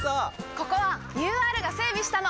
ここはＵＲが整備したの！